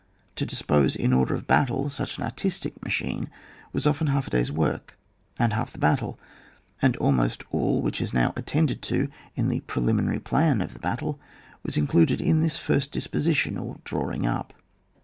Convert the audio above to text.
To dispose, in order of battle, such an artistic machine, was often half a day's work, and half the battle ; and almost all which is now attended to in the preliminary plan of the battle was included in this first dis position or drawing up.